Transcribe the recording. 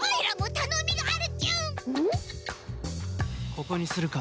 ここにするか。